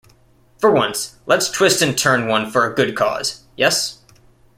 For once let's twist and turn one for a good cause, yes?